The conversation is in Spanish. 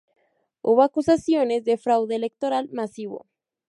Hubo acusaciones de fraude electoral masivo.